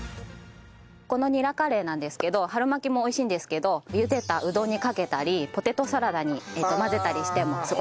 このニラカレーなんですけど春巻きも美味しいんですけどゆでたうどんにかけたりポテトサラダに混ぜたりしてもすごく美味しいです。